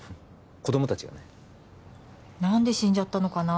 子どもたちがね何で死んじゃったのかな